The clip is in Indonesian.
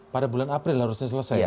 pada bulan april harusnya selesai